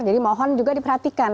jadi mohon juga diperhatikan